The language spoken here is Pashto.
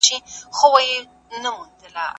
زه ليک نه لولم!